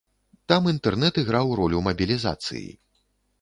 Там інтэрнэт іграў ролю мабілізацыі.